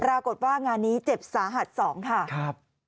ปรากฏว่างานนี้เจ็บสาหัสสองค่ะครับ